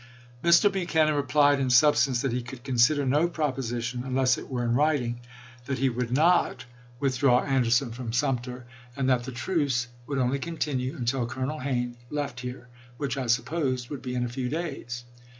Mr. Buchanan replied in substance that he could consider no proposition unless it were in writing, that he would not with 160 ABRAHAM LINCOLN chap. xi. draw Anderson from Sumter, and that the truce would only continue "until Colonel Hayne left here, which I supposed would be in a few days."